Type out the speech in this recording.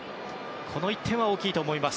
この１点は大きいと思います。